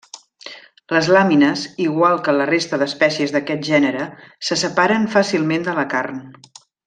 Les làmines, igual que la resta d'espècies d'aquest gènere, se separen fàcilment de la carn.